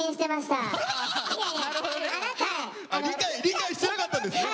理解してなかったんですね？